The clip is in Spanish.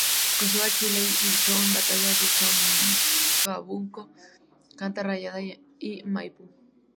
Cruzó a Chile y luchó en las batallas de Chacabuco, Cancha Rayada y Maipú.